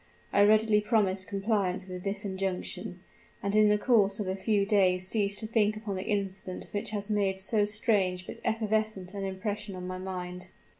I readily promised compliance with this injunction; and in the course of a few days ceased to think upon the incident which has made so strange but evanescent an impression on my mind."